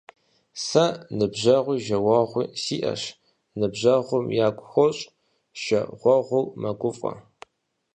Сэ ныбжьэгъуи жагъуэгъуи сиӏэщ. Ныбжьэгъум ягу хощӏ, жагъуэгъур мэгуфӏэ.